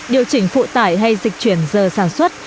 điều chỉnh phụ tải hay dịch chuyển giờ sản xuất